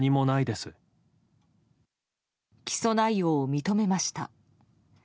起訴内容を認めました。